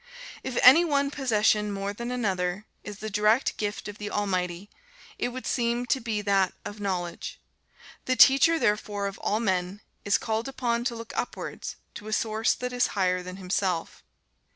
If any one possession, more than another, is the direct gift of the Almighty, it would seem to be that of knowledge. The teacher, therefore, of all men, is called upon to look upwards to a source that is higher than himself.